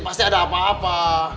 pasti ada apa apa